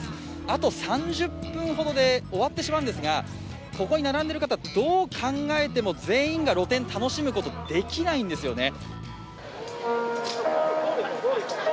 あと３０分ほどで終わってしまうんですが、ここに並んでいる方、どう考えても露店、楽しむことできないんですよね。